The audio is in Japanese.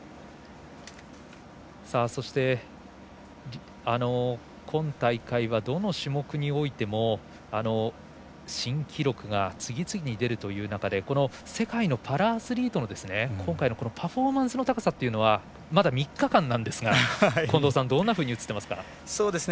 そして、今大会はどの種目においても新記録が次々に出るという中で世界のパラアスリートの今回のパフォーマンスの高さっていうのはまだ３日間なんですが近藤さんどんなふうに映っていますか？